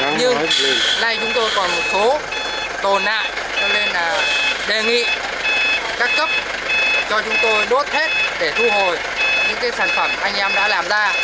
nhưng nay chúng tôi còn một số tồn ạ cho nên đề nghị các cấp cho chúng tôi đốt hết để thu hồi những sản phẩm anh em đã làm ra